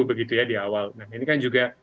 begitu ya di awal nah ini kan juga